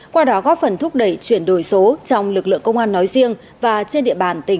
qua đó có phần thúc đẩy chuyển đổi số trong lực lượng công an nói riêng và trên địa bàn tỉnh nghệ an nói chung